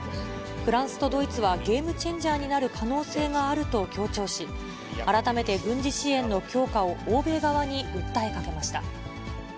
フランスとドイツはゲームチェンジャーになる可能性があると強調し、改めて軍事支援の強化を欧米側に訴えかけました。